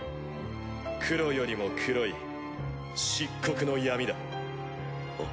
黒よりも黒い漆黒の闇だ。